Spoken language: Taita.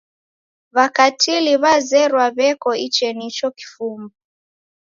W'akatili w'azerwa w'eko ichenicho kifumbu.